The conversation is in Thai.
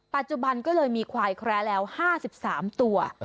ปัจจุบันก็เลยมีควายแคระแล้ว๕๓ตัว